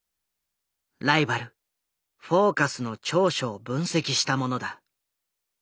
ライバル「フォーカス」の長所を分析したものだ。